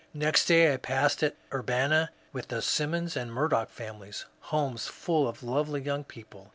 Next day I passed at Urbanna, with the Simmons and Murdoch families, — homes full of lovely young people.